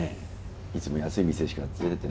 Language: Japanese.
いつも安い店しか連れてってないのに。